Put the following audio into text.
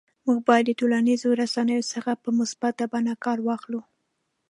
موږ باید د ټولنیزو رسنیو څخه په مثبته بڼه کار واخلو